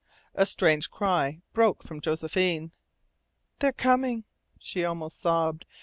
A strange cry broke from Josephine. "They are coming!" she almost sobbed.